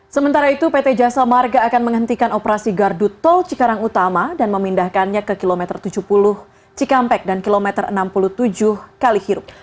sementara itu pt jasa marga akan menghentikan operasi gardu tol cikarang utama dan memindahkannya ke kilometer tujuh puluh cikampek dan kilometer enam puluh tujuh kalihirup